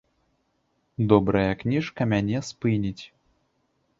Добрая кніжка мяне спыніць.